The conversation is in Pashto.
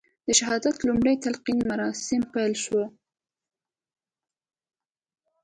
د شهادت لومړي تلین مراسیم پیل شوي و.